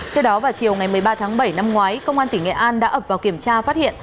trước đó vào chiều ngày một mươi ba tháng bảy năm ngoái công an tỉnh nghệ an đã ập vào kiểm tra phát hiện